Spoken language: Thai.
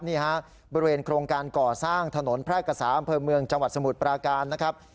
นี่ฮะบริเวณโครงการก่อสร้างถนนแพร่กษาอำเภอเมืองจังหวัดสมุทรปราการนะครับ